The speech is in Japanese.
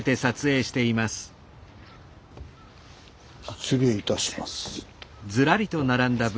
失礼いたします。